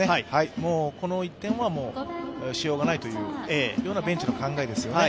この１点は、もうしようがないというベンチの考えですよね。